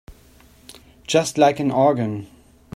Just like an organ.